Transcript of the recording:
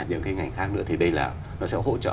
những cái ngành khác nữa thì đây là nó sẽ hỗ trợ